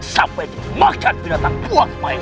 sampai dia makan binatang buat mahesha